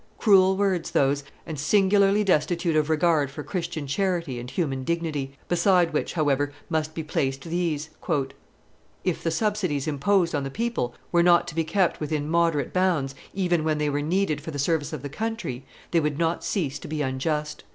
Cruel words those, and singularly destitute of regard for Christian charity and human dignity, beside which, however, must be placed these: "If the subsidies imposed on the people were not to be kept within moderate bounds, even when they were needed for the service of the country, they would not cease to be unjust."